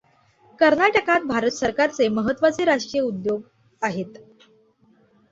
कर्नाटकात भारत सरकाचे महत्त्वाचे राष्ट्रीय उद्योग आहेत.